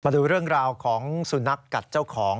ดูเรื่องราวของสุนัขกัดเจ้าของ